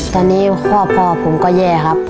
ตอนนี้พ่อผมก็แย่ครับ